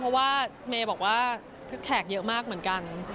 เพราะว่าเมย์บอกว่าคือแขกเยอะมากเหมือนกัน